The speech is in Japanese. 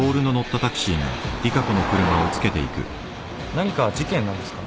何か事件なんですか？